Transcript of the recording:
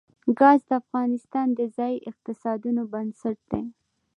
ګاز د افغانستان د ځایي اقتصادونو بنسټ دی.